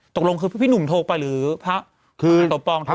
ตกลงคือพี่หนุ่มโทรไปหรือพระคือสมปองโทร